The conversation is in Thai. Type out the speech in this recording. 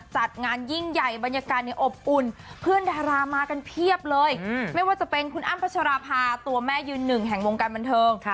จัดงานยิ่งใหญ่บรรยากาศเนี่ยอบอุ่นเพื่อนดารามากันเพียบเลยไม่ว่าจะเป็นคุณอ้ำพัชราภาตัวแม่ยืนหนึ่งแห่งวงการบันเทิง